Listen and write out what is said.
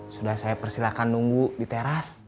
sudah saya persilahkan nunggu di teras